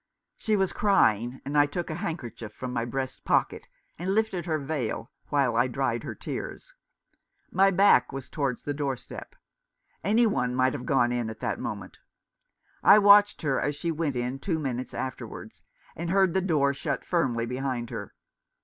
She was crying, and I took a handkerchief from my breast pocket, and lifted her veil, while I dried her tears. My back was towards the door step. Any one might have gone in at that moment. I watched her as she went in two minutes afterwards, and heard the door shut firmly behind her.